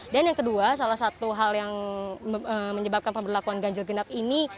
dan yang kedua salah satu hal yang menyebabkan pemberlakuan ganjil genap ini